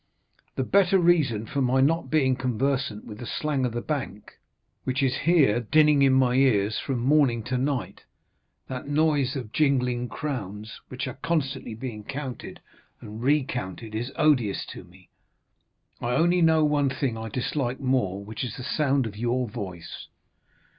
"The better reason for my not being conversant with the slang of the bank, which is here dinning in my ears from morning to night; that noise of jingling crowns, which are constantly being counted and re counted, is odious to me. I only know one thing I dislike more, which is the sound of your voice."